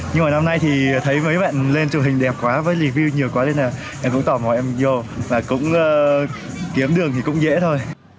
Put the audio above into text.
nhưng mà năm nay thì thấy mấy bạn lên trường hình đẹp quá với review nhiều quá nên là em cũng tỏ mọi em vô và cũng kiếm đường thì cũng dễ thôi